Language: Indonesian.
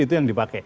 itu yang dipakai